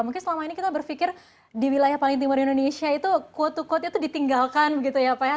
mungkin selama ini kita berpikir di wilayah paling timur indonesia itu quote to quote itu ditinggalkan begitu ya pak ya